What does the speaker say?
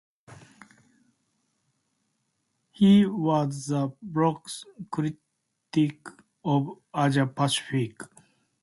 He was the "Bloc's" critic of Asia-Pacific.